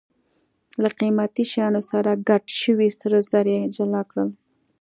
له قیمتي شیانو سره ګډ شوي سره زر یې جلا کړل.